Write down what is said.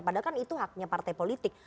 padahal kan itu haknya partai politik